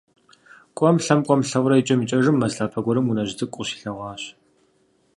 КӀуэм-лъэм, кӀуэм-лъэурэ, икӀэм икӀэжым, мэз лъапэ гуэрым унэжь цӀыкӀу къыщилъэгъуащ.